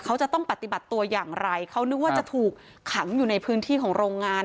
เขาจะต้องปฏิบัติตัวอย่างไรเขานึกว่าจะถูกขังอยู่ในพื้นที่ของโรงงาน